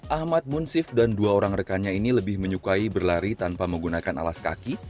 ahmad munsif dan dua orang rekannya ini lebih menyukai berlari tanpa menggunakan alas kaki